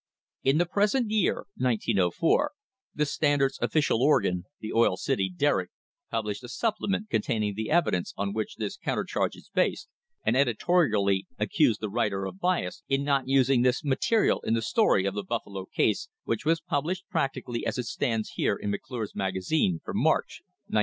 In the present year (1904) the Standard's official organ, the Oil City Derrick, published a supplement containing the evidence on which this counter charge is based, and editorially accused the writer of bias in not using this material in the story of the Buffalo case which was published practically as it stands here in McClure's Magazine for March, 1904.